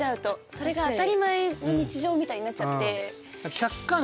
それが当たり前の日常みたいになっちゃって。